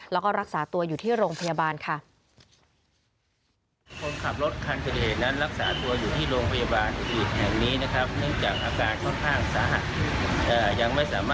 แล้วก็รักษาตัวอยู่ที่โรงพยาบาลค่ะ